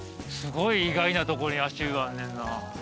すごい意外なところに足湯あんねんな。